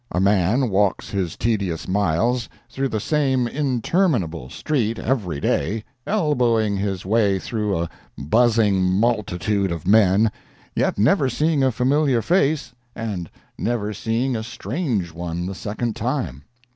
A man walks his tedious miles through the same interminable street every day, elbowing his way through a buzzing multitude of men, yet never seeing a familiar face, and never seeing a strange one the second time.